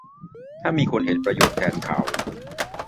ถ้ามีคนเห็นประโยชน์แทนเขา